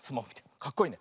かっこいいね。